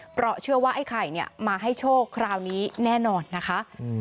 เพราะเชื่อว่าไอ้ไข่มาให้โชคคราวนี้แน่นอนนะคะ